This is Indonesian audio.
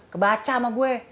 kebaca sama gue